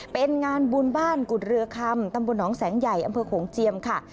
เป็นงานบุญบ้านกุฎเรือคำตำบลหนองแสงใหญ่อำเภอโขงเจียมค่ะ